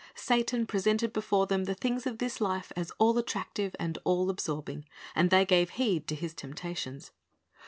Satan presented before them the things of this life as all attractive and all absorbing, and they gave heed to his temptations.